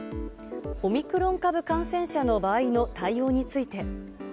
オミクロン株感染者の場合の対応について。